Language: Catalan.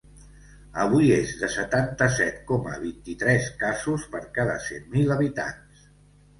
Avui és de setanta-set coma vint-i-tres casos per cada cent mil habitants.